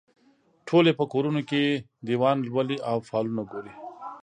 ټول یې په کورونو کې دیوان لولي او فالونه ګوري.